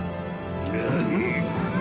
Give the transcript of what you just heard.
何？